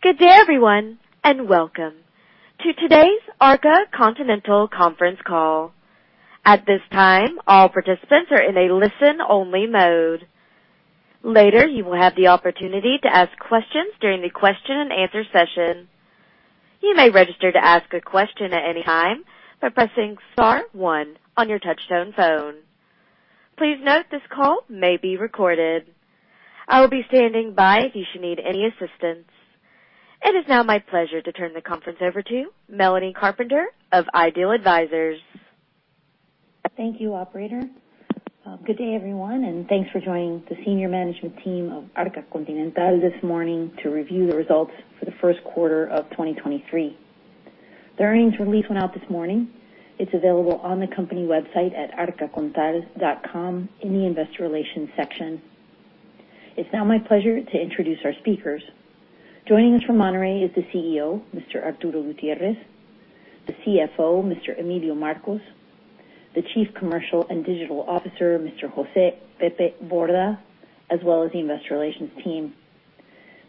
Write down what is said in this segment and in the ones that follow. Good day everyone, and welcome to today's Arca Continental conference call. At this time, all participants are in a listen-only mode. Later, you will have the opportunity to ask questions during the question and answer session. You may register to ask a question at any time by pressing star one on your touch-tone phone. Please note this call may be recorded. I will be standing by if you should need any assistance. It is now my pleasure to turn the conference over to Melanie Carpenter of IDEAL Advisors. Thank you, operator. Good day everyone, thanks for joining the Senior Management Team of Arca Continental this morning to review the results for the first quarter of 2023. The earnings release went out this morning. It's available on the company website at arcacontal.com in the investor relations section. It's now my pleasure to introducu our speakers. Joining us from Monterrey is the CEO, Mr. Arturo Gutiérrez, the CFO, Mr. Emilio Marcos, the Chief Commercial and Digital Officer, Mr. José Pepe Borda, as well as the investor relations team.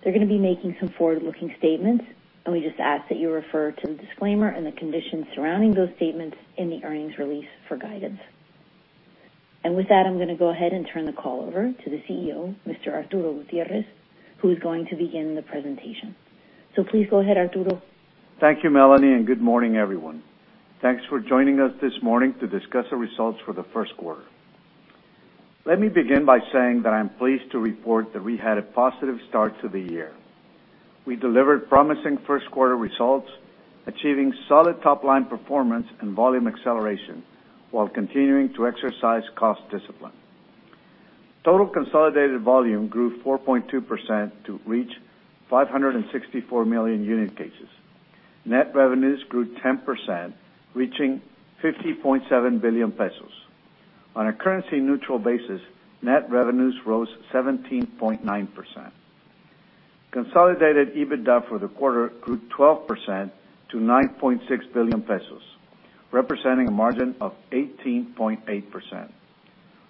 They're going to be making some forward-looking statements, we just ask that you refer to the disclaimer and the conditions surrounding those statements in the earnings release for guidance. With that, I'm going to go ahead and turn the call over to the CEO, Mr. Arturo Gutiérrez, who's going to begin the presentation. Please go ahead, Arturo. Thank you, Melanie. Good morning, everyone. Thanks for joining us this morning to discuss the results for the first quarter. Let me begin by saying that I'm pleased to report that we had a positive start to the year. We delivered promising first quarter results, achieving solid top-line performance and volume acceleration while continuing to exercise cost discipline. Total consolidated volume grew 4.2% to reach 564 million unit cases. Net revenues grew 10%, reaching 50.7 billion pesos. On a currency neutral basis, net revenues rose 17.9%. Consolidated EBITDA for the quarter grew 12% to 9.6 billion pesos, representing a margin of 18.8%.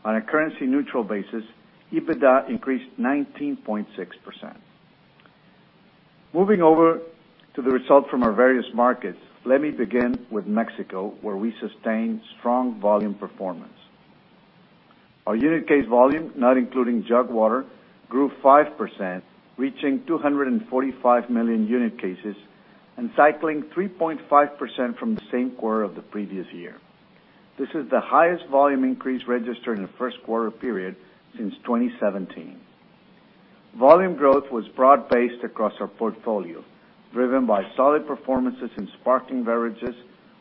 On a currency neutral basis, EBITDA increased 19.6%. Moving over to the result from our various markets, let me begin with Mexico, where we sustained strong volume performance. Our unit case volume, not including jug water, grew 5%, reaching 245 million unit cases and cycling 3.5% from the same quarter of the previous year. This is the highest volume increase registered in the first quarter period since 2017. Volume growth was broad-based across our portfolio, driven by solid performances in sparkling beverages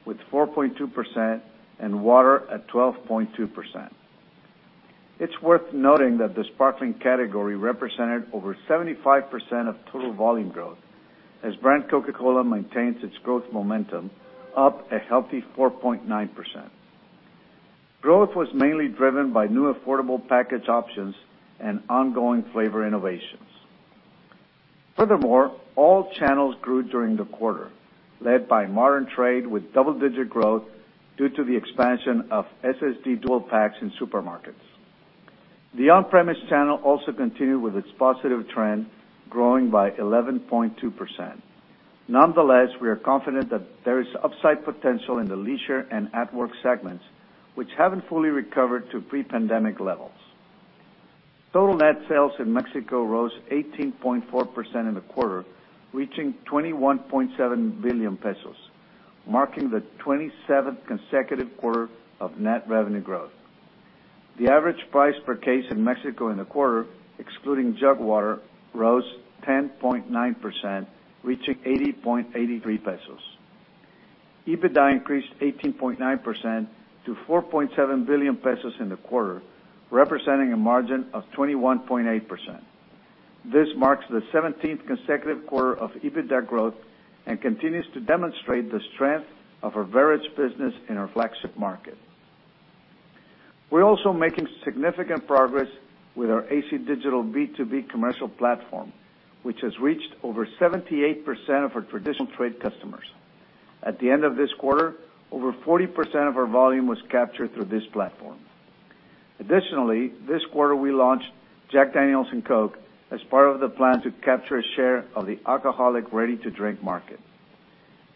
with 4.2% and water at 12.2%. It's worth noting that the sparkling category represented over 75% of total volume growth as brand Coca-Cola maintains its growth momentum, up a healthy 4.9%. Growth was mainly driven by new affordable package options and ongoing flavor innovations. Furthermore, all channels grew during the quarter, led by modern trade with double-digit growth due to the expansion of SSD dual packs in supermarkets. The on-premise channel also continued with its positive trend, growing by 11.2%. Nonetheless, we are confident that there is upside potential in the leisure and at work segments, which haven't fully recovered to pre-pandemic levels. Total net sales in Mexico rose 18.4% in the quarter, reaching 21.7 billion pesos, marking the 27th consecutive quarter of net revenue growth. The average price per case in Mexico in the quarter, excluding jug water, rose 10.9%, reaching 80.83 pesos. EBITDA increased 18.9% to 4.7 billion pesos in the quarter, representing a margin of 21.8%. This marks the 17th consecutive quarter of EBITDA growth and continues to demonstrate the strength of our various business in our flagship market. We're also making significant progress with our AC Digital B2B commercial platform, which has reached over 78% of our traditional trade customers. At the end of this quarter, over 40% of our volume was captured through this platform. This quarter we launched Jack Daniel's and Coke as part of the plan to capture a share of the alcoholic ready-to-drink market.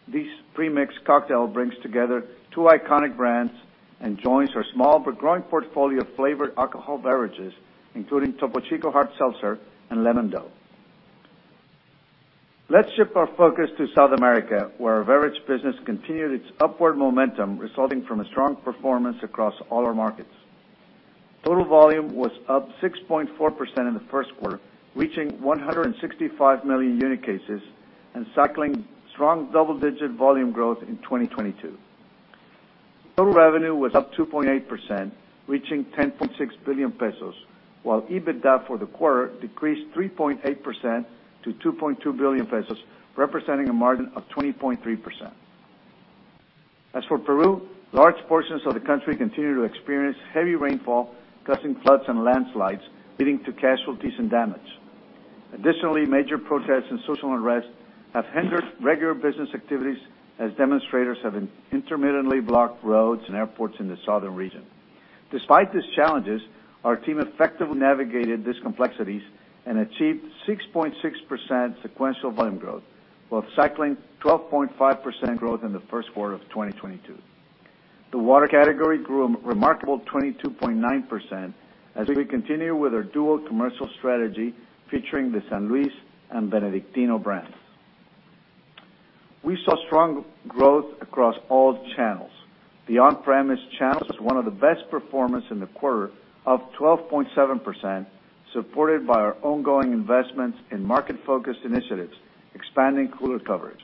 This premixed cocktail brings together two iconic brands and joins our small but growing portfolio of flavored alcohol beverages, including Topo Chico Hard Seltzer and Lemon-Dou. Let's shift our focus to South America, where our beverage business continued its upward momentum, resulting from a strong performance across all our markets. Total volume was up 6.4% in the first quarter, reaching 165 million unit cases and cycling strong double-digit volume growth in 2022. Total revenue was up 2.8%, reaching 10.6 billion pesos, while EBITDA for the quarter decreased 3.8% to 2.2 billion pesos, representing a margin of 20.3%. Large portions of the country continue to experience heavy rainfall, causing floods and landslides, leading to casualties and damage. Major protests and social unrest have hindered regular business activities as demonstrators have intermittently blocked roads and airports in the southern region. Our team effectively navigated these complexities and achieved 6.6% sequential volume growth, while cycling 12.5% growth in the first quarter of 2022. The water category grew a remarkable 22.9% as we continue with our dual commercial strategy featuring the San Luis and Benedictino brands. We saw strong growth across all channels. The on-premise channels was one of the best performance in the quarter of 12.7%, supported by our ongoing investments in market-focused initiatives, expanding cooler coverage.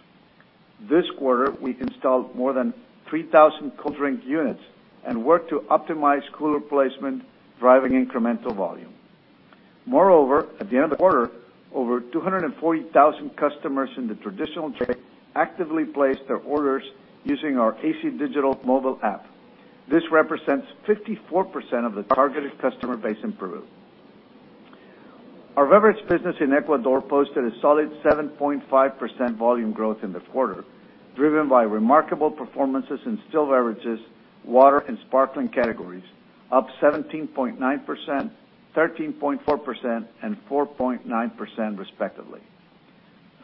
This quarter, we installed more than 3,000 cold drink units and worked to optimize cooler placement, driving incremental volume. Moreover, at the end of the quarter, over 240,000 customers in the traditional trade actively placed their orders using our AC Digital mobile app. This represents 54% of the targeted customer base in Peru. Our beverage business in Ecuador posted a solid 7.5% volume growth in the quarter, driven by remarkable performances in still beverages, water, and sparkling categories, up 17.9%, 13.4%, and 4.9% respectively.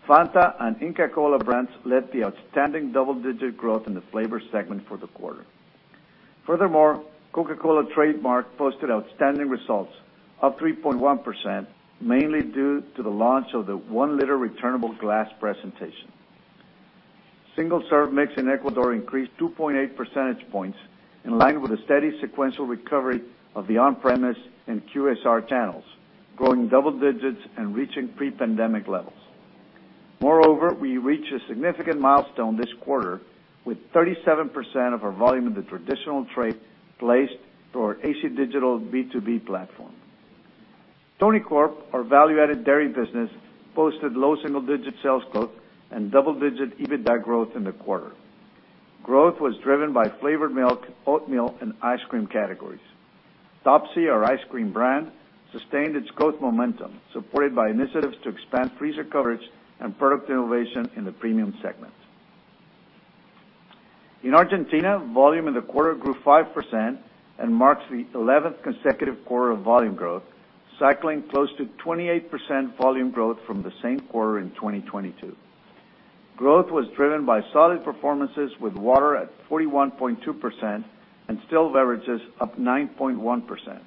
Fanta and Inca Kola brands led the outstanding double-digit growth in the flavor segment for the quarter. Furthermore, Coca-Cola trademark posted outstanding results, up 3.1%, mainly due to the launch of the 1-liter returnable glass presentation. Single-serve mix in Ecuador increased 2.8 percentage points, in line with a steady sequential recovery of the on-premise and QSR channels, growing double digits and reaching pre-pandemic levels. Moreover, we reached a significant milestone this quarter with 37% of our volume in the traditional trade placed through our AC Digital B2B platform. Tonicorp, our value-added dairy business, posted low single-digit sales growth and double-digit EBITDA growth in the quarter. Growth was driven by flavored milk, oat milk, and ice cream categories. Topsy, our ice cream brand, sustained its growth momentum, supported by initiatives to expand freezer coverage and product innovation in the premium segment. In Argentina, volume in the quarter grew 5% and marks the 11th consecutive quarter of volume growth, cycling close to 28% volume growth from the same quarter in 2022. Growth was driven by solid performances with water at 41.2% and still beverages up 9.1%.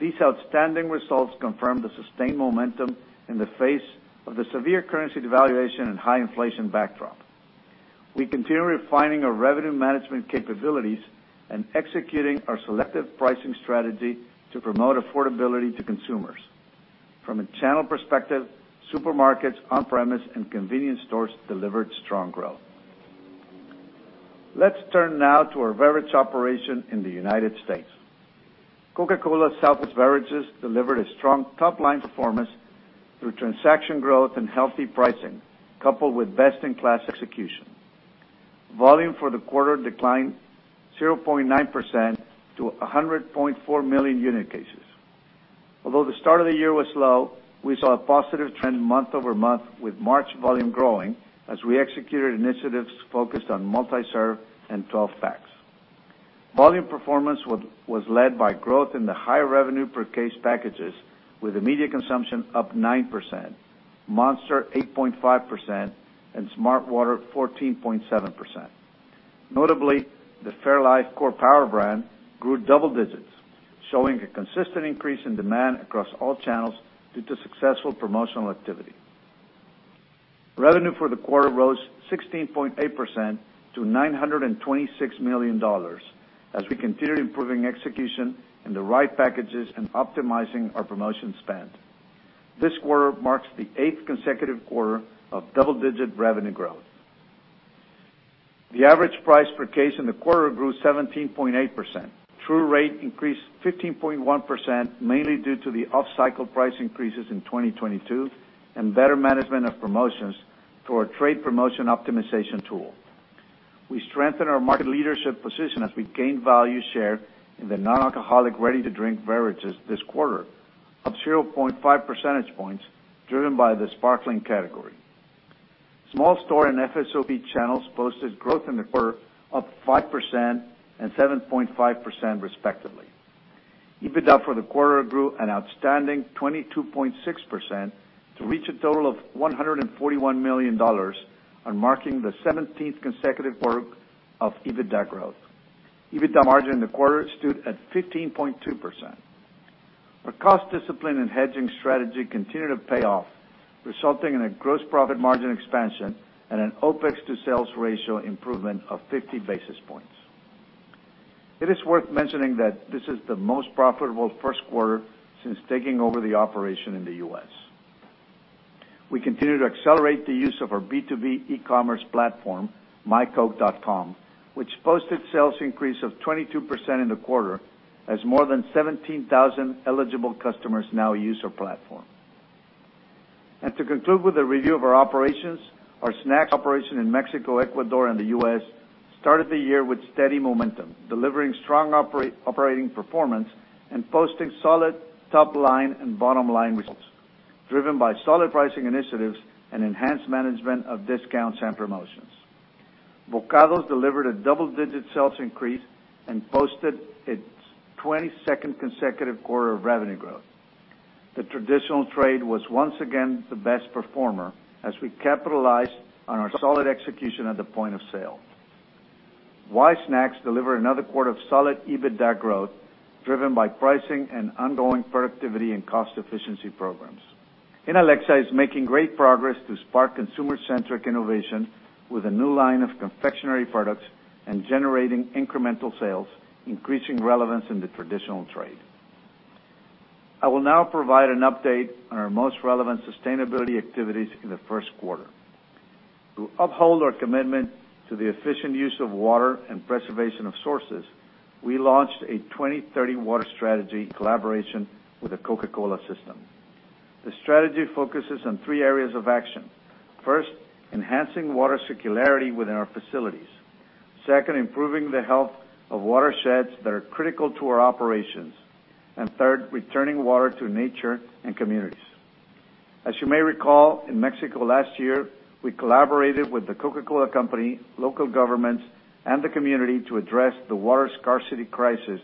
These outstanding results confirm the sustained momentum in the face of the severe currency devaluation and high inflation backdrop. We continue refining our revenue management capabilities and executing our selective pricing strategy to promote affordability to consumers. From a channel perspective, supermarkets, on-premise, and convenience stores delivered strong growth. Let's turn now to our beverage operation in the United States. Coca-Cola Southwest Beverages delivered a strong top-line performance through transaction growth and healthy pricing, coupled with best-in-class execution. Volume for the quarter declined 0.9% to 100.4 million unit cases. Although the start of the year was low, we saw a positive trend month-over-month with March volume growing as we executed initiatives focused on multi-serve and 12-packs. Volume performance was led by growth in the higher revenue per case packages, with immediate consumption up 9%, Monster 8.5%, and smartwater 14.7%. Notably, the fairlife Core Power brand grew double digits, showing a consistent increase in demand across all channels due to successful promotional activity. Revenue for the quarter rose 16.8% to $926 million as we continue improving execution in the right packages and optimizing our promotion spend. This quarter marks the 8th consecutive quarter of double-digit revenue growth. The average price per case in the quarter grew 17.8%. True rate increased 15.1%, mainly due to the off-cycle price increases in 2022 and better management of promotions through our trade promotion optimization tool. We strengthened our market leadership position as we gained value share in the non-alcoholic ready-to-drink beverages this quarter, up 0.5 percentage points, driven by the sparkling category. Small store and FSOP channels posted growth in the quarter of 5% and 7.5% respectively. EBITDA for the quarter grew an outstanding 22.6% to reach a total of $141 million and marking the 17th consecutive quarter of EBITDA growth. EBITDA margin in the quarter stood at 15.2%. Our cost discipline and hedging strategy continued to pay off, resulting in a gross profit margin expansion and an OpEx to sales ratio improvement of 50 basis points. It is worth mentioning that this is the most profitable first quarter since taking over the operation in the U.S. We continue to accelerate the use of our B2B e-commerce platform, myCoke.com, which posted sales increase of 22% in the quarter as more than 17,000 eligible customers now use our platform. To conclude with the review of our operations, our snack operation in Mexico, Ecuador, and the U.S. started the year with steady momentum, delivering strong operating performance and posting solid top-line and bottom-line results, driven by solid pricing initiatives and enhanced management of discounts and promotions. Bokados delivered a double-digit sales increase and posted its 22nd consecutive quarter of revenue growth. The traditional trade was once again the best performer as we capitalized on our solid execution at the point of sale. Wise Snacks delivered another quarter of solid EBITDA growth driven by pricing and ongoing productivity and cost efficiency programs. Inalecsa is making great progress to spark consumer-centric innovation with a new line of confectionery products and generating incremental sales, increasing relevance in the traditional trade. I will now provide an update on our most relevant sustainability activities in the first quarter. To uphold our commitment to the efficient use of water and preservation of sources, we launched a 2030 water strategy collaboration with the Coca-Cola system. The strategy focuses on three areas of action. First, enhancing water circularity within our facilities. Second, improving the health of watersheds that are critical to our operations. Third, returning water to nature and communities. As you may recall, in Mexico last year, we collaborated with the Coca-Cola Company, local governments, and the community to address the water scarcity crisis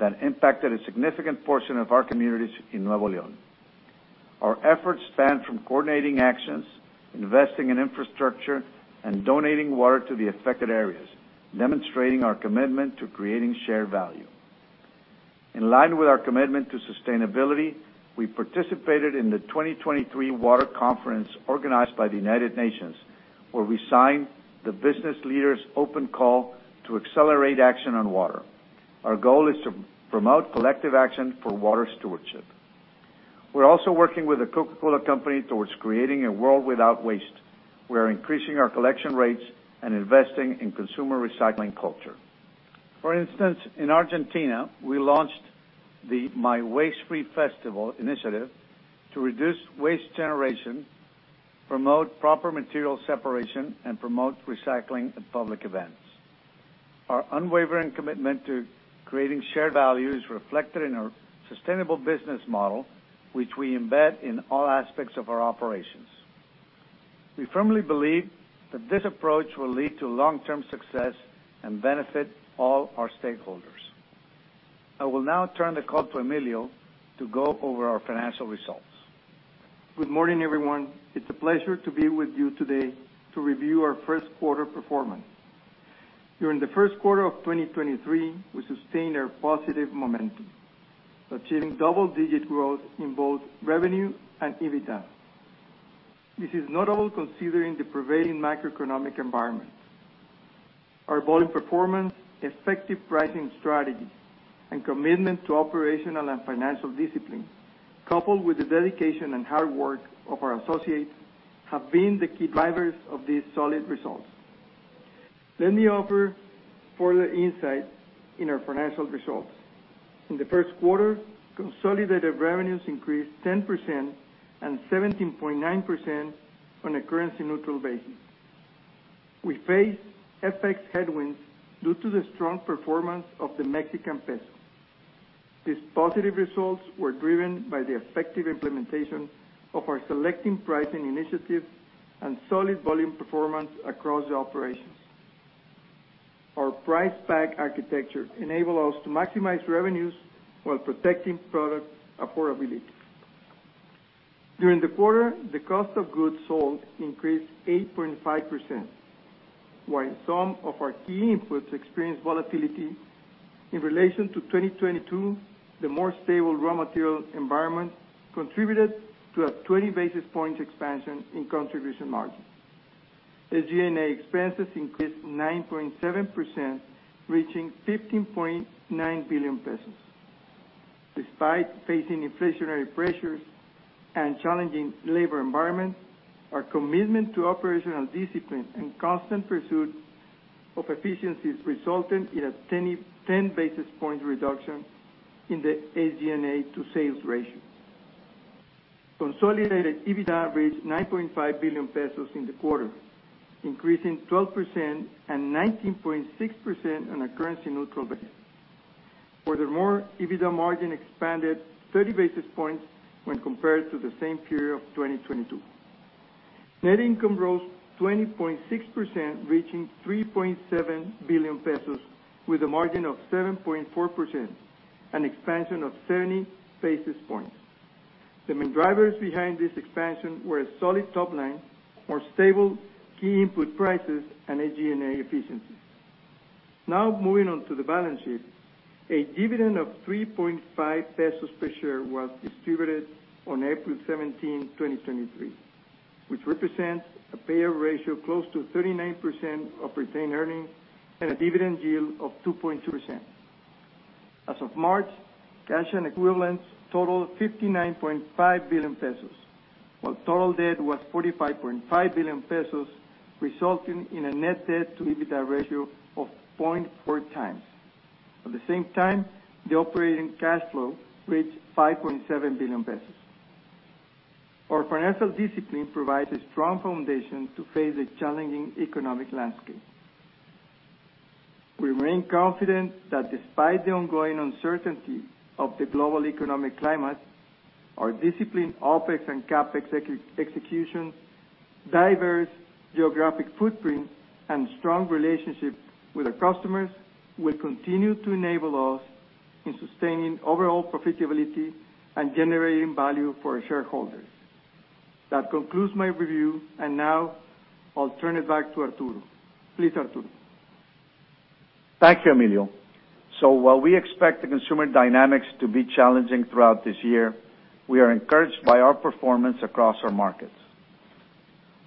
that impacted a significant portion of our communities in Nuevo León. Our efforts spanned from coordinating actions, investing in infrastructure, and donating water to the affected areas, demonstrating our commitment to creating shared value. In line with our commitment to sustainability, we participated in the 2023 water conference organized by the United Nations, where we signed the business leader's open call to accelerate action on water. Our goal is to promote collective action for water stewardship. We're also working with the Coca-Cola Company towards creating a world without waste. We are increasing our collection rates and investing in consumer recycling culture. For instance, in Argentina, we launched the My Waste-Free Festival initiative to reduce waste generation, promote proper material separation, and promote recycling at public events. Our unwavering commitment to creating shared value is reflected in our sustainable business model, which we embed in all aspects of our operations. We firmly believe that this approach will lead to long-term success and benefit all our stakeholders. I will now turn the call to Emilio to go over our financial results. Good morning, everyone. It's a pleasure to be with you today to review our first quarter performance. During the first quarter of 2023, we sustained our positive momentum, achieving double-digit growth in both revenue and EBITDA. This is not all considering the prevailing macroeconomic environment. Our volume performance, effective pricing strategies, and commitment to operational and financial discipline, coupled with the dedication and hard work of our associates, have been the key drivers of these solid results. Let me offer further insight in our financial results. In the first quarter, consolidated revenues increased 10% and 17.9% on a currency-neutral basis. We faced FX headwinds due to the strong performance of the Mexican peso. These positive results were driven by the effective implementation of our selecting pricing initiatives and solid volume performance across the operations. Our price-pack architecture enable us to maximize revenues while protecting product affordability. During the quarter, the cost of goods sold increased 8.5%. While some of our key inputs experienced volatility in relation to 2022, the more stable raw material environment contributed to a 20 basis points expansion in contribution margin. SG&A expenses increased 9.7%, reaching 15.9 billion pesos. Despite facing inflationary pressures and challenging labor environments, our commitment to operational discipline and constant pursuit of efficiencies resulting in a 10 basis points reduction in the SG&A to sales ratio. Consolidated EBITDA reached 9.5 billion pesos in the quarter, increasing 12% and 19.6% on a currency neutral basis. Furthermore, EBITDA margin expanded 30 basis points when compared to the same period of 2022. Net income rose 20.6%, reaching 3.7 billion pesos with a margin of 7.4%, an expansion of 70 basis points. The main drivers behind this expansion were a solid top line, more stable key input prices, and SG&A efficiencies. Moving on to the balance sheet. A dividend of 3.5 pesos per share was distributed on April 17, 2023, which represents a payout ratio close to 39% of retained earnings and a dividend yield of 2.2%. As of March, cash and equivalents totaled 59.5 billion pesos, while total debt was 45.5 billion pesos, resulting in a net debt to EBITDA ratio of 0.4 times. At the same time, the operating cash flow reached 5.7 billion pesos. Our financial discipline provides a strong foundation to face a challenging economic landscape. We remain confident that despite the ongoing uncertainty of the global economic climate, our disciplined OpEx and CapEx execution, diverse geographic footprint, and strong relationships with our customers will continue to enable us in sustaining overall profitability and generating value for our shareholders. That concludes my review, and now I'll turn it back to Arturo. Please, Arturo. Thank you, Emilio. While we expect the consumer dynamics to be challenging throughout this year, we are encouraged by our performance across our markets.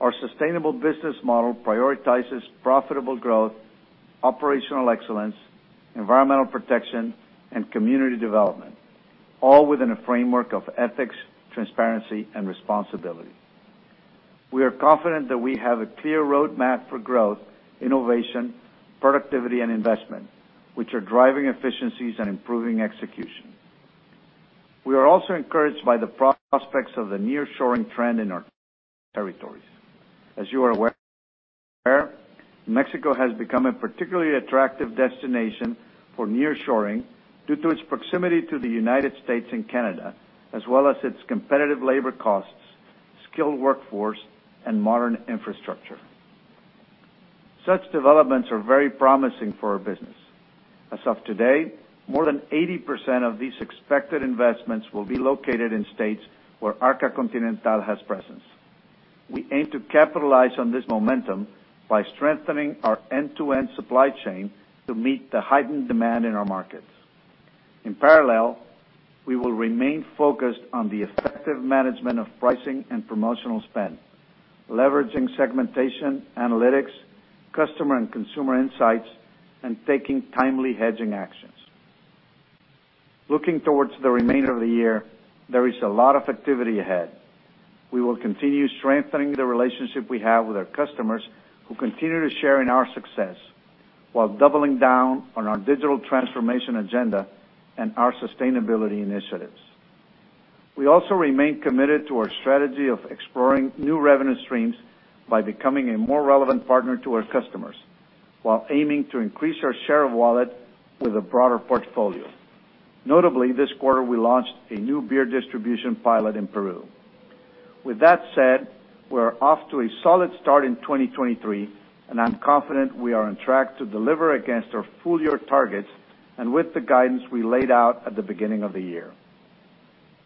Our sustainable business model prioritizes profitable growth, operational excellence, environmental protection, and community development, all within a framework of ethics, transparency, and responsibility. We are confident that we have a clear roadmap for growth, innovation, productivity, and investment, which are driving efficiencies and improving execution. We are also encouraged by the prospects of the nearshoring trend in our territories. As you are aware, Mexico has become a particularly attractive destination for nearshoring due to its proximity to the United States and Canada, as well as its competitive labor costs, skilled workforce, and modern infrastructure. Such developments are very promising for our business. As of today, more than 80% of these expected investments will be located in states where Arca Continental has presence. We aim to capitalize on this momentum by strengthening our end-to-end supply chain to meet the heightened demand in our markets. In parallel, we will remain focused on the effective management of pricing and promotional spend, leveraging segmentation, analytics, customer and consumer insights, and taking timely hedging actions. Looking towards the remainder of the year, there is a lot of activity ahead. We will continue strengthening the relationship we have with our customers, who continue to share in our success, while doubling down on our digital transformation agenda and our sustainability initiatives. We also remain committed to our strategy of exploring new revenue streams by becoming a more relevant partner to our customers while aiming to increase our share of wallet with a broader portfolio. Notably, this quarter, we launched a new beer distribution pilot in Peru. With that said, we're off to a solid start in 2023. I'm confident we are on track to deliver against our full year targets and with the guidance we laid out at the beginning of the year.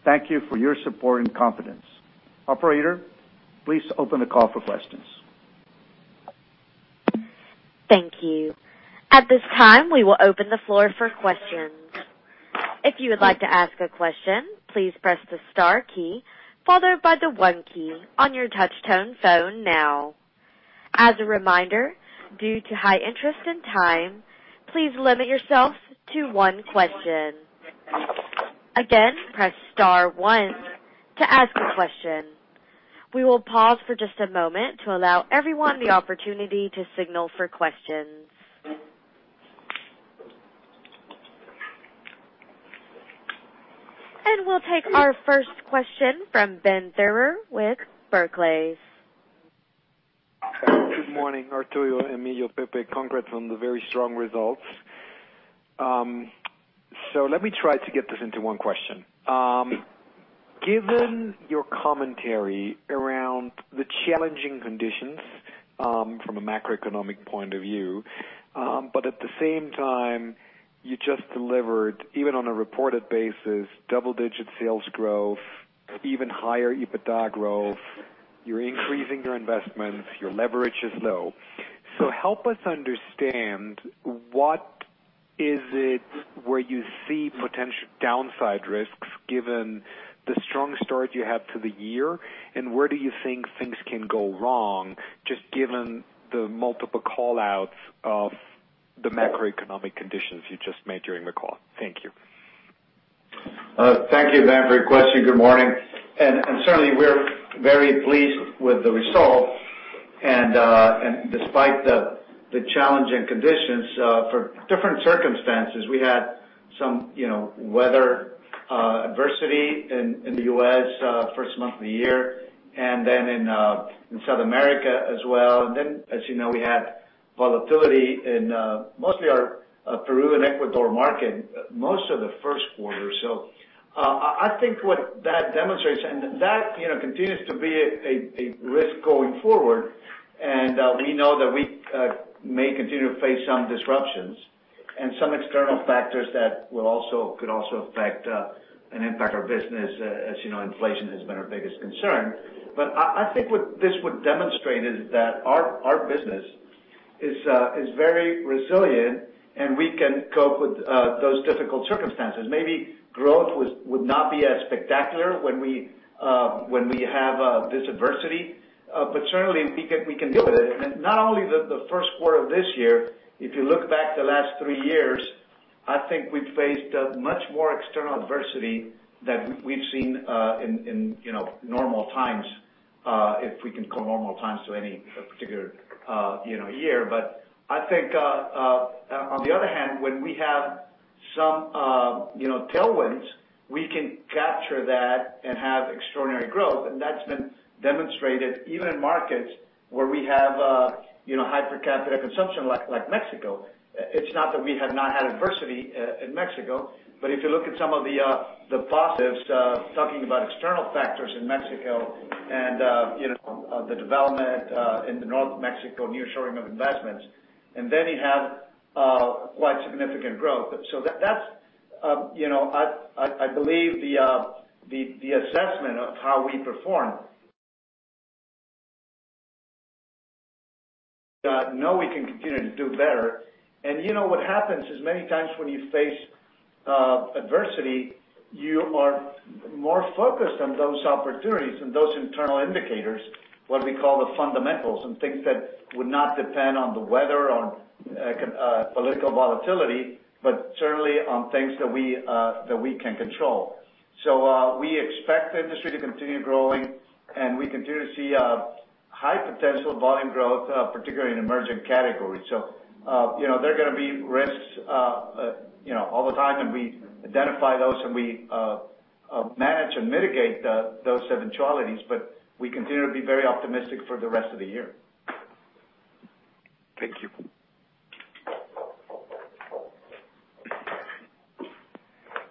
Thank you for your support and confidence. Operator, please open the call for questions. Thank you. At this time, we will open the floor for questions. If you would like to ask a question, please press the star key followed by the 1 key on your touchtone phone now. As a reminder, due to high interest and time, please limit yourself to 1 question. Again, press star 1 to ask a question. We will pause for just a moment to allow everyone the opportunity to signal for questions. We'll take our first question from Ben Theurer with Barclays. Good morning, Arturo, Emilio, Pepe. Congrats on the very strong results. Let me try to get this into one question. Given your commentary around the challenging conditions, from a macroeconomic point of view, but at the same time, you just delivered, even on a reported basis, double-digit sales growth, even higher EBITDA growth. You're increasing your investments. Your leverage is low. Help us understand what is it where you see potential downside risks given the strong start you have to the year, and where do you think things can go wrong, just given the multiple call-outs of the macroeconomic conditions you just made during the call? Thank you. Thank you, Ben, for your question. Good morning. Certainly, we're very pleased with the results. Despite the challenging conditions for different circumstances, we had some, you know, weather adversity in the U.S. first month of the year, and then in South America as well. As you know, we had volatility in mostly our Peru and Ecuador market most of the first quarter. I think what that demonstrates, and that, you know, continues to be a risk going forward. We know that we may continue to face some disruptions and some external factors that will also affect and impact our business. As you know, inflation has been our biggest concern. I think what this would demonstrate is that our business is very resilient, and we can cope with those difficult circumstances. Maybe growth would not be as spectacular when we have this adversity. Certainly we can deal with it. Not only the first quarter of this year, if you look back the last 3 years, I think we've faced much more external adversity than we've seen in, you know, normal times, if we can call normal times to any particular, you know, year. I think on the other hand, when we have, you know, tailwinds, we can capture that and have extraordinary growth. That's been demonstrated even in markets where we have, you know, hyper competitive consumption like Mexico. It's not that we have not had adversity, in Mexico, but if you look at some of the positives, talking about external factors in Mexico and, you know, the development, in North Mexico nearshoring of investments, and then you have, quite significant growth. That's, you know, I believe the assessment of how we perform. Know we can continue to do better. You know, what happens is, many times when you face, adversity, you are more focused on those opportunities and those internal indicators, what we call the fundamentals, and things that would not depend on the weather or on, political volatility, but certainly on things that we, that we can control. We expect the industry to continue growing, and we continue to see high potential volume growth particularly in emerging categories. You know, there are gonna be risks, you know, all the time, and we identify those, and we manage and mitigate those eventualities, but we continue to be very optimistic for the rest of the year. Thank you.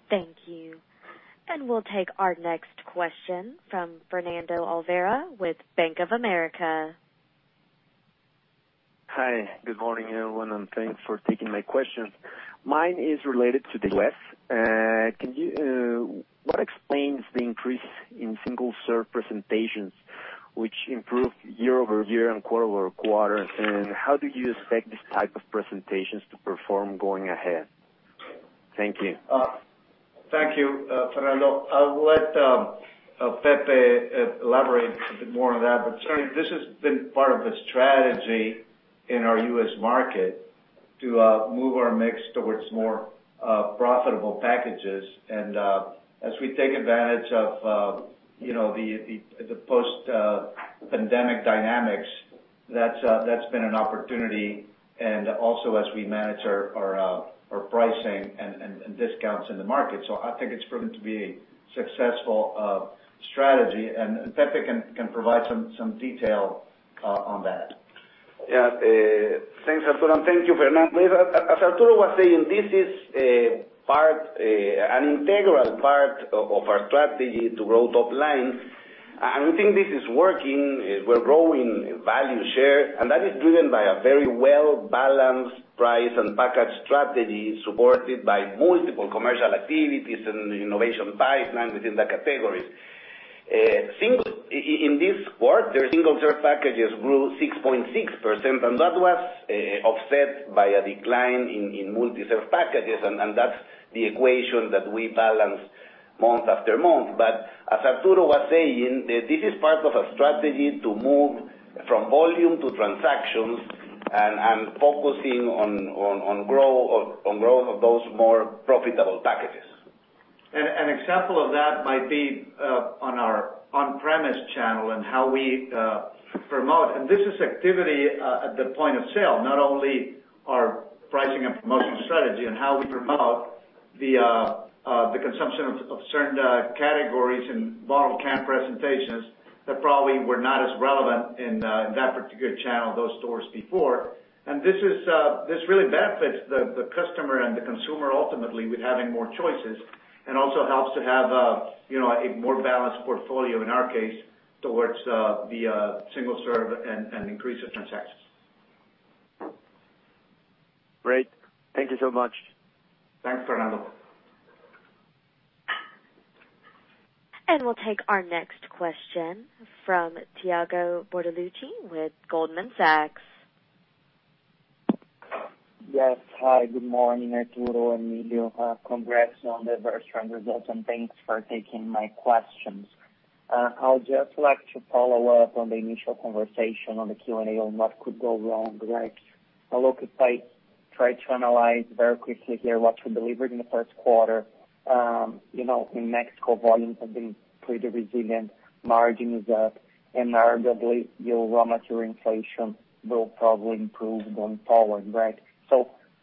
Thank you. We'll take our next question from Fernando Olvera with Bank of America. Hi, good morning, everyone, thanks for taking my question. Mine is related to the US. What explains the increase in single-serve presentations, which improved year-over-year and quarter-over-quarter? How do you expect this type of presentations to perform going ahead? Thank you. Thank you, Fernando. I'll let Pepe elaborate a bit more on that, but certainly this has been part of the strategy in our U.S. market to move our mix towards more profitable packages. As we take advantage of, you know, the post-pandemic dynamics, that's been an opportunity and also as we manage our pricing and discounts in the market. I think it's proven to be a successful strategy and Pepe can provide some detail on that. Thanks, Arturo, and thank you, Fernando. As Arturo was saying, this is a part, an integral part of our strategy to grow top line. We think this is working. We're growing value share, and that is driven by a very well-balanced price and package strategy supported by multiple commercial activities and innovation pipeline within the categories. In this quarter, the single-serve packages grew 6.6%, and that was offset by a decline in multi-serve packages, and that's the equation that we balance month after month. As Arturo was saying, this is part of a strategy to move from volume to transactions and focusing on growth of those more profitable packages. An example of that might be on our on-premise channel and how we promote. This is activity at the point of sale, not only our pricing and promotion strategy and how we promote the consumption of certain categories and bottle cap presentations that probably were not as relevant in that particular channel, those stores before. This really benefits the customer and the consumer ultimately with having more choices, and also helps to have, you know, a more balanced portfolio in our case towards the single serve and increase of transactions. Great. Thank you so much. Thanks, Fernando. We'll take our next question from Thiago Bortoluci with Goldman Sachs. Yes. Hi, good morning, Arturo, Emilio. Congrats on the very strong results, and thanks for taking my questions. I would just like to follow up on the initial conversation on the Q&A on what could go wrong, right? Look, if I try to analyze very quickly here what you delivered in the first quarter, you know, in Mexico, volumes have been pretty resilient, margin is up, and arguably your raw material inflation will probably improve going forward, right?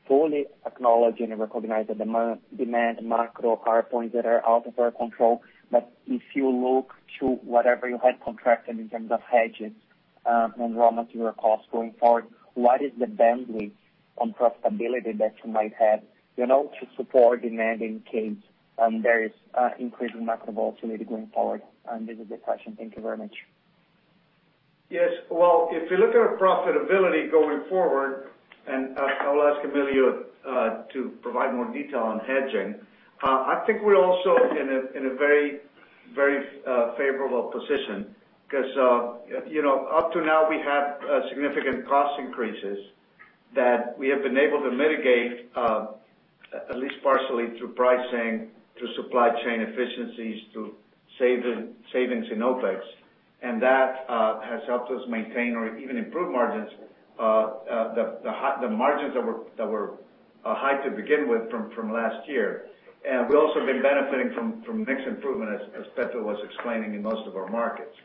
Fully acknowledge and recognize that demand, macro are points that are out of our control. If you look to whatever you had contracted in terms of hedges, and raw material costs going forward, what is the bandwidth on profitability that you might have, you know, to support demand in case there is increased macro volatility going forward? This is the question. Thank you very much. Yes. Well, if you look at our profitability going forward, I'll ask Emilio to provide more detail on hedging. I think we're also in a very, very favorable position because, you know, up to now we have significant cost increases that we have been able to mitigate at least partially through pricing, through supply chain efficiencies, through savings in OpEx. That has helped us maintain or even improve the high margins that were high to begin with from last year. We've also been benefiting from mix improvement, as Pepe was explaining, in most of our markets.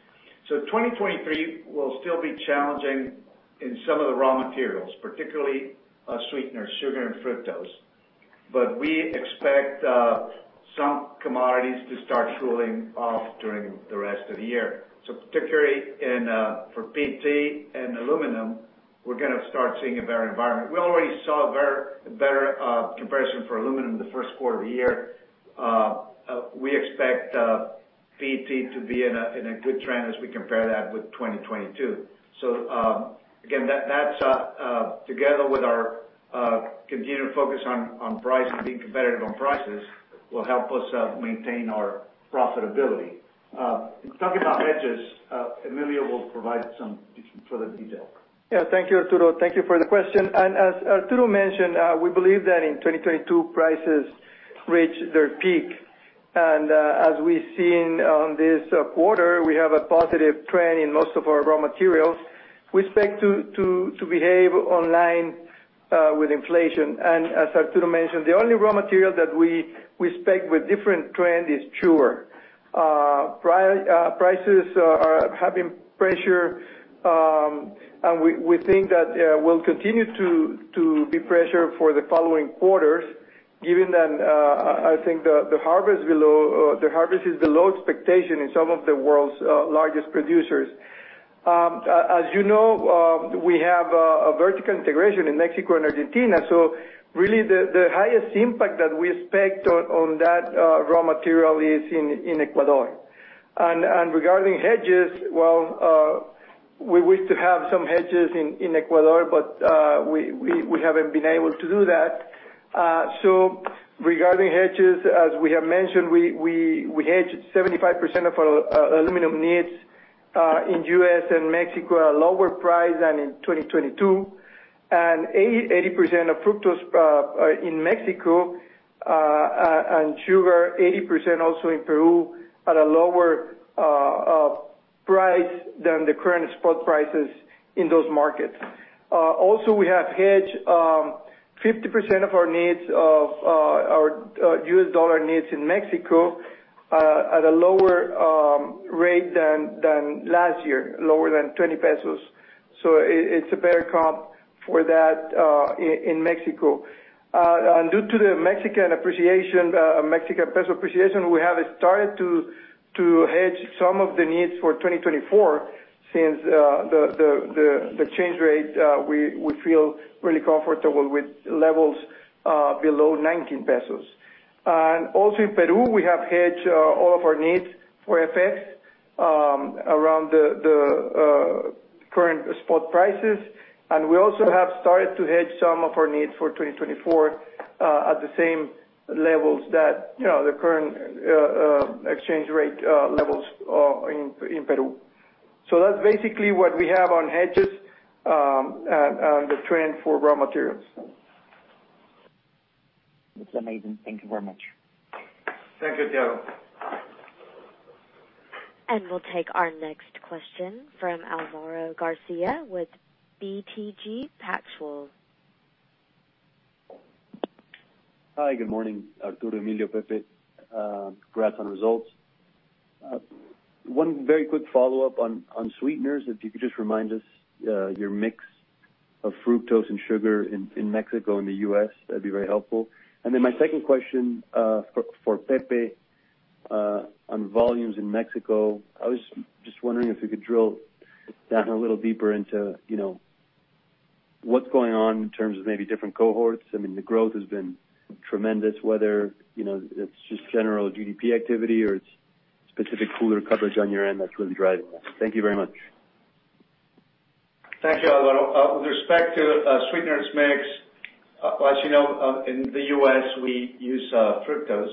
2023 will still be challenging in some of the raw materials, particularly sweetener, sugar and fructose. We expect some commodities to start cooling off during the rest of the year. Particularly in for PET and aluminum, we're going to start seeing a better environment. We already saw better comparison for aluminum in the first quarter of the year. We expect PET to be in a good trend as we compare that with 2022. Again, that's together with our continued focus on price and being competitive on prices will help us maintain our profitability. Talking about hedges, Emilio will provide some further detail. Thank you, Arturo. Thank you for the question. As Arturo mentioned, we believe that in 2022, prices reached their peak. As we've seen on this quarter, we have a positive trend in most of our raw materials. We expect to behave online with inflation. As Arturo mentioned, the only raw material that we expect with different trend is sugar. Prices are having pressure, and we think that we'll continue to be pressure for the following quarters, given that the harvest is below expectation in some of the world's largest producers. As you know, we have a vertical integration in Mexico and Argentina, so really the highest impact that we expect on that raw material is in Ecuador. Regarding hedges, well, we wish to have some hedges in Ecuador, but we haven't been able to do that. Regarding hedges, as we have mentioned, we hedged 75% of our aluminum needs in U.S. and Mexico at a lower price than in 2022, and 80% of fructose in Mexico, and sugar 80% also in Peru at a lower price than the current spot prices in those markets. Also we have hedged 50% of our needs of our U.S. dollar needs in Mexico at a lower rate than last year, lower than 20 pesos. It's a better comp for that in Mexico. Due to the Mexican appreciation, Mexican peso appreciation, we have started to hedge some of the needs for 2024 since the change rate, we feel really comfortable with levels below 19 pesos. Also in Peru, we have hedged all of our needs for FX around the current spot prices. We also have started to hedge some of our needs for 2024 at the same levels that, you know, the current exchange rate levels in Peru. That's basically what we have on hedges, and the trend for raw materials. That's amazing. Thank you very much. Thank you, Thiago. We'll take our next question from Alvaro Garcia with BTG Pactual. Hi, good morning, Arturo, Emilio, Pepe. Congrats on results. One very quick follow-up on sweeteners. If you could just remind us your mix of fructose and sugar in Mexico and the U.S., that'd be very helpful. My second question for Pepe on volumes in Mexico, I was just wondering if you could drill down a little deeper into, you know, what's going on in terms of maybe different cohorts. I mean, the growth has been tremendous, whether, you know, it's just general GDP activity or it's specific cooler coverage on your end that's really driving that. Thank you very much. Thank you, Alvaro. With respect to sweeteners mix, as you know, in the U.S., we use fructose.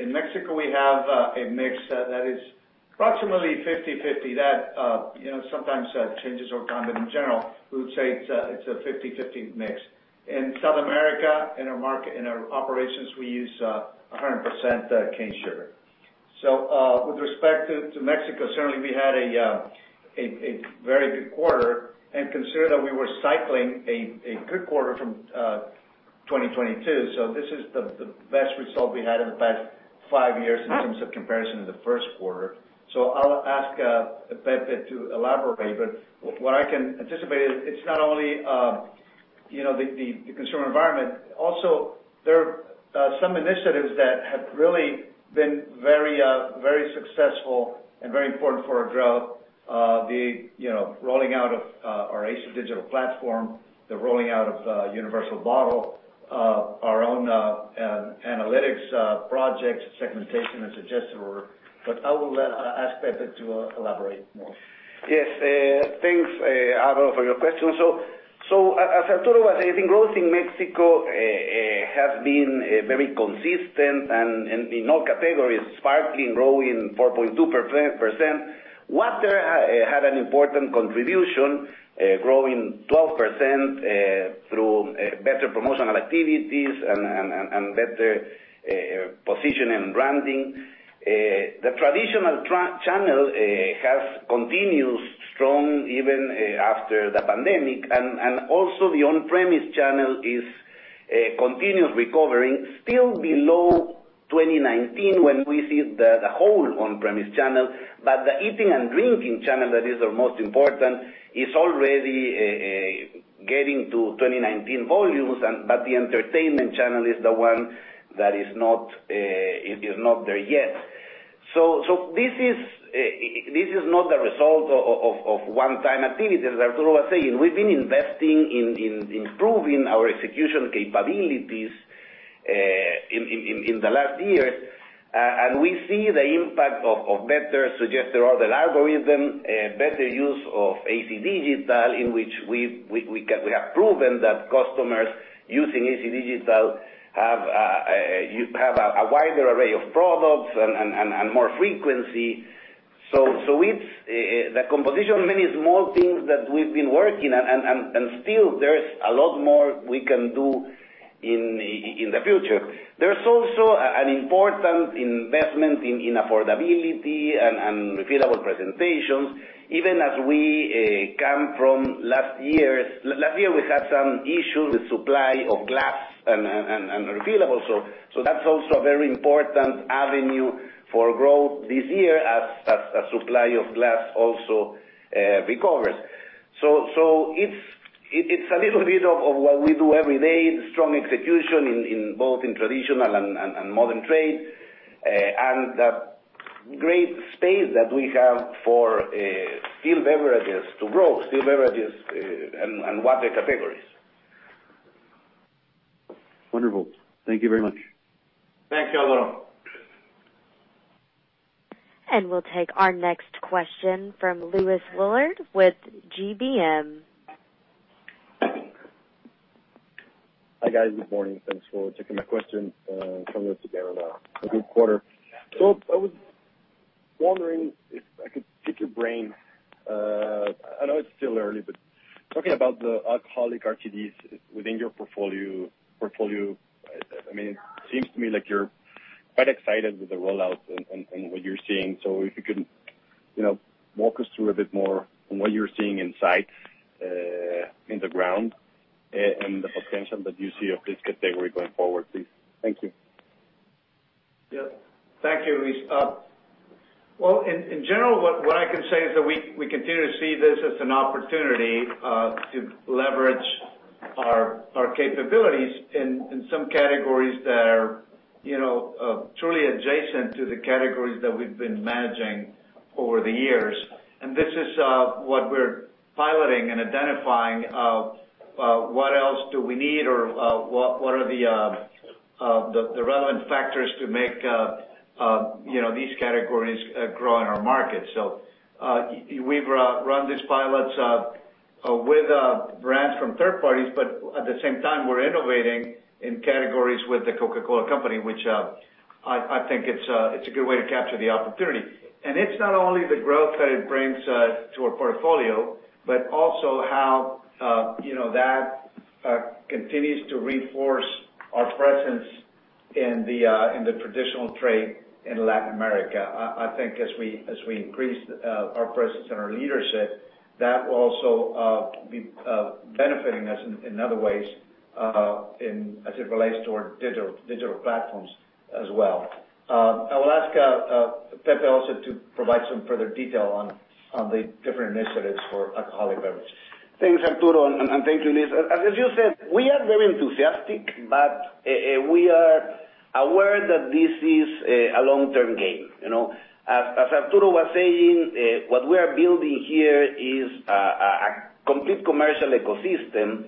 In Mexico, we have a mix that is approximately 50/50. That, you know, sometimes changes over time. In general, we would say it's a 50/50 mix. In South America, in our market, in our operations, we use 100% cane sugar. With respect to Mexico, certainly we had a very good quarter and consider that we were cycling a good quarter from 2022. This is the best result we had in the past five years in terms of comparison in the first quarter. I'll ask Pepe to elaborate, but what I can anticipate is it's not only, you know, the, the consumer environment. There are some initiatives that have really been very successful and very important for our growth. The, you know, rolling out of our AC Digital platform, the rolling out of Universal Bottle, our own analytics projects, segmentation and suggester. I'll ask Pepe to elaborate more. Yes. Thanks, Alvaro, for your question. As Arturo was saying, growth in Mexico has been very consistent and in all categories, sparkling growing 4.2%. Water had an important contribution, growing 12% through better promotional activities and better position and branding. The traditional channel has continued strong even after the pandemic. Also the on-premise channel is A continuous recovering, still below 2019 when we see the whole on-premise channel. The eating and drinking channel that is our most important, is already getting to 2019 volumes and, but the entertainment channel is the one that is not, it is not there yet. This is not the result of one time activity. As Arturo was saying, we've been investing in improving our execution capabilities in the last years. And we see the impact of better suggested order algorithm, better use of AC Digital, in which we have proven that customers using AC Digital have a wider array of products and more frequency. It's the composition of many small things that we've been working and still there is a lot more we can do in the future. There's also an important investment in affordability and refillable presentations. Last year we had some issues with supply of glass and refillables, so that's also a very important avenue for growth this year as supply of glass also recovers. It's a little bit of what we do every day, the strong execution in both in traditional and modern trade. The great space that we have for still beverages to grow, still beverages and wider categories. Wonderful. Thank you very much. Thank you, Alvaro. We'll take our next question from Luis Willard with GBM. Hi, guys. Good morning. Thanks for taking my question. Congratulations again on a good quarter. I was wondering if I could pick your brain, I know it's still early, but talking about the alcoholic RTDs within your portfolio, I mean, it seems to me like you're quite excited with the rollout and what you're seeing. If you could, you know, walk us through a bit more on what you're seeing inside, in the ground and the potential that you see of this category going forward, please. Thank you. Yeah. Thank you, Luis. Well, in general, what I can say is that we continue to see this as an opportunity to leverage our capabilities in some categories that are, you know, truly adjacent to the categories that we've been managing over the years. This is what we're piloting and identifying what else do we need or what are the relevant factors to make, you know, these categories grow in our market. We've run these pilots with brands from third parties, but at the same time, we're innovating in categories with the Coca-Cola Company, which, I think it's a good way to capture the opportunity. It's not only the growth that it brings to our portfolio, but also how, you know, that continues to reinforce our presence in the traditional trade in Latin America. I think as we increase our presence and our leadership, that will also be benefiting us in other ways in as it relates to our digital platforms as well. I will ask Pepe also to provide some further detail on the different initiatives for alcoholic beverage. Thanks, Arturo, and thanks, Luis. As you said, we are very enthusiastic, but we are aware that this is a long-term game, you know. As Arturo was saying, what we are building here is a complete commercial ecosystem.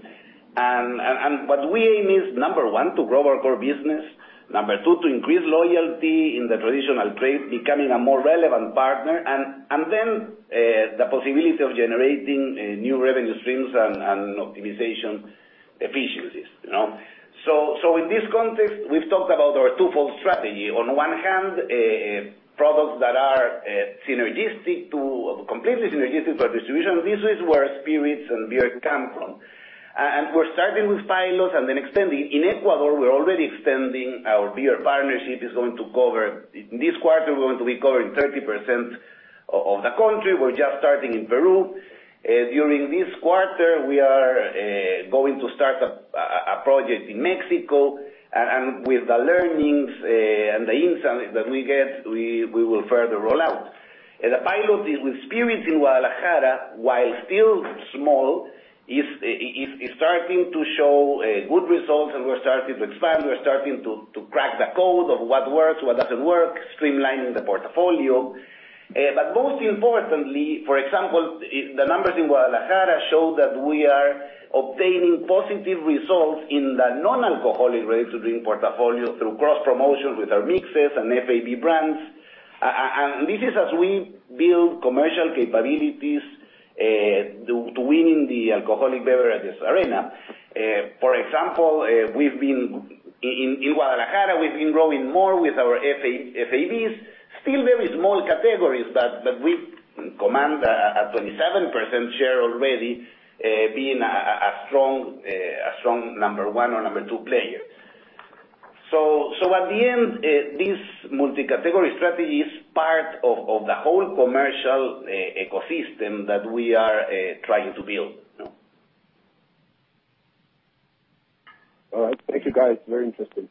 we aim is, number one, to grow our core business. Number two, to increase loyalty in the traditional trade, becoming a more relevant partner. Then, the possibility of generating new revenue streams and optimization efficiencies, you know? In this context, we've talked about our twofold strategy. On one hand, products that are completely synergistic for distribution. This is where spirits and beer come from. We're starting with pilots and then extending. In Ecuador, we're already extending our beer partnership. In this quarter, we're going to be covering 30% of the country. We're just starting in Peru. During this quarter, we are going to start a project in Mexico. With the learnings and the insight that we get, we will further roll out. The pilot is with spirits in Guadalajara, while still small, is starting to show good results and we're starting to expand, we're starting to crack the code of what works, what doesn't work, streamlining the portfolio. This is as we build commercial capabilities to winning the alcoholic beverages arena. For example, In Guadalajara, we've been growing more with our FABs. Still very small categories, but we command a 27% share already, being a strong number one or number two player. At the end, this multi-category strategy is part of the whole commercial ecosystem that we are trying to build. No? All right. Thank you, guys. Very interesting.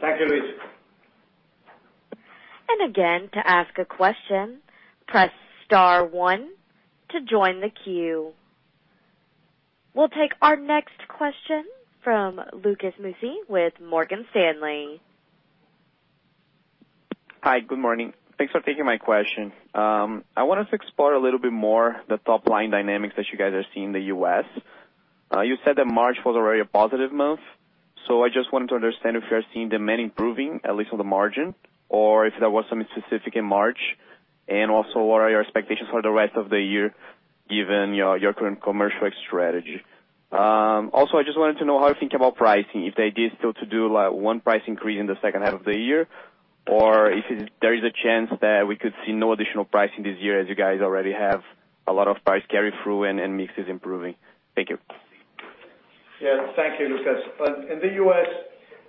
Thank you, Luis. To ask a question, press star 1 to join the queue. We'll take our next question from Lucas Mussi with Morgan Stanley. Hi. Good morning. Thanks for taking my question. I wanted to explore a little bit more the top-line dynamics that you guys are seeing in the U.S. You said that March was already a positive month, so I just wanted to understand if you are seeing demand improving, at least on the margin, or if there was something specific in March. Also, what are your expectations for the rest of the year given your current commercial strategy? Also, I just wanted to know how you think about pricing, if the idea is still to do, like, one price increase in the second half of the year, or if there is a chance that we could see no additional pricing this year, as you guys already have a lot of price carry-through and mix is improving. Thank you. Yeah. Thank you, Lucas. In the U.S.,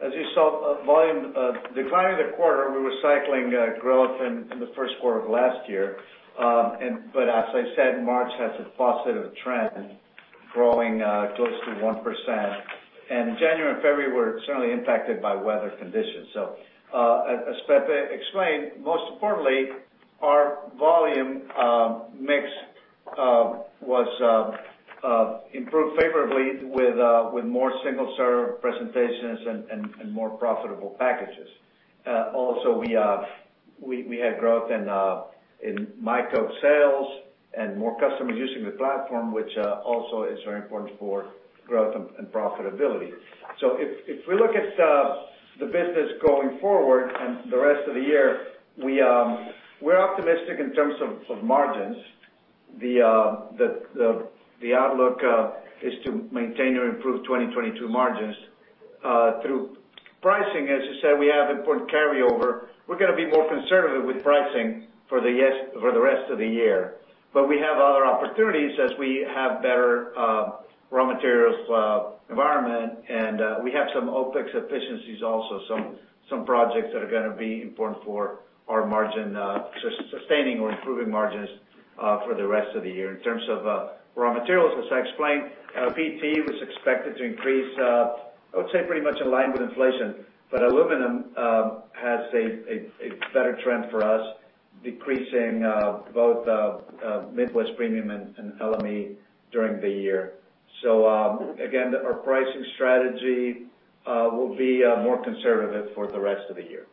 as you saw, volume decline in the quarter, we were cycling growth in the first quarter of last year. But as I said, March has a positive trend growing close to 1%. January and February were certainly impacted by weather conditions. As Pepe explained, most importantly, our volume mix was improved favorably with more single-serve presentations and more profitable packages. Also, we had growth in myCoke sales and more customers using the platform, which also is very important for growth and profitability. If, if we look at the business going forward and the rest of the year, we're optimistic in terms of margins. The outlook is to maintain or improve 2022 margins through pricing. As you said, we have important carryover. We're gonna be more conservative with pricing for the rest of the year. We have other opportunities as we have better raw materials environment. We have some OpEx efficiencies also, some projects that are gonna be important for our margin sustaining or improving margins for the rest of the year. In terms of raw materials, as I explained, PET was expected to increase, I would say pretty much in line with inflation. Aluminum has a better trend for us, decreasing both Midwest Premium and LME during the year. Again, our pricing strategy will be more conservative for the rest of the year.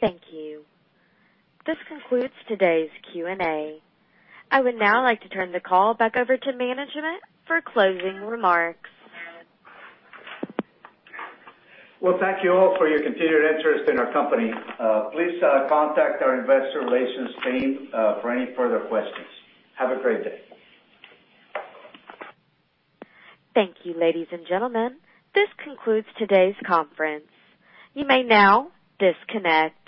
Thank you. This concludes today's Q&A. I would now like to turn the call back over to management for closing remarks. Well, thank you all for your continued interest in our company. Please contact our investor relations team for any further questions. Have a great day. Thank you, ladies and gentlemen. This concludes today's conference. You may now disconnect.